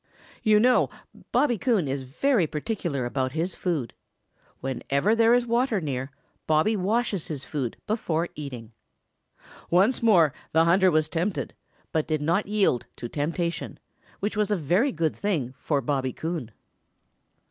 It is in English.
You know Bobby Coon is very particular about his food. Whenever there is water near, Bobby washes his food before eating. Once more the hunter was tempted, but did not yield to the temptation, which was a very good thing for Bobby Coon.